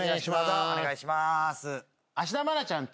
お願いします。